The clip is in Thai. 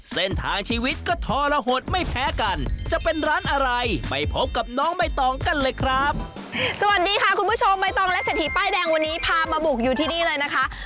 สวัสดีค่ะคุณผู้ชมใบตองและเศรษฐีป้ายแดงวันนี้พามาบุกอยู่ที่นี่เลยนะคะ